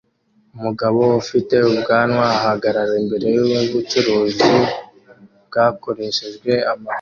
Umugabo ufite ubwanwa ahagarara imbere yubucuruzi bwakoreshejwe amapine